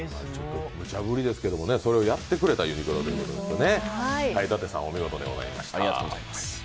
むちゃぶりですけれども、それをやってくれたユニクロというね。